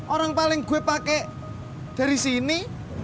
orang paling gue pakai dari sini